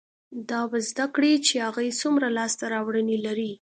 دا به زده کړي چې هغې څومره لاسته راوړنې لرلې،